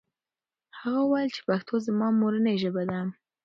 هغه وویل چې پښتو زما مورنۍ ژبه ده.